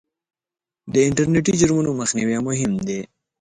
د انټرنېټي جرمونو مخنیوی مهم دی.